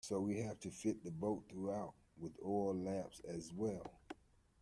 So we have to fit the boat throughout with oil lamps as well.